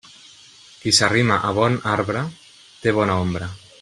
Qui s'arrima a bon arbre, té bona ombra.